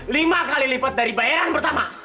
lima kali lipat dari bayaran pertama